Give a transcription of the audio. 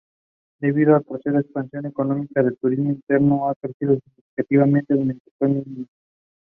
Down with tyranny!